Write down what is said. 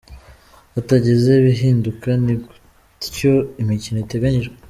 Hatagize igihinduka, ni gutyo imikino iteganyijwe .